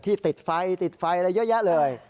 ที่ติดไฟและเยอะเลย